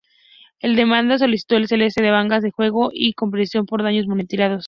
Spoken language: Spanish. La demanda solicitó el cese de ventas del juego y compensación por daños monetarios.